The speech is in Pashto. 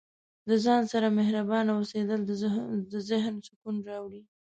د ځان سره مهربانه اوسیدل د ذهن سکون راوړي.